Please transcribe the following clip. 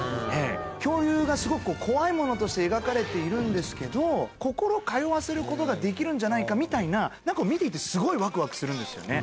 恐竜がすごく怖いものとして描かれているんですけれど、心通わせることができるんじゃないかみたいな、なんか見ていて、有田君はどう？